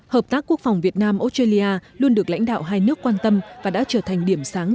hợp tác quốc phòng việt nam australia luôn được lãnh đạo hai nước quan tâm và đã trở thành điểm sáng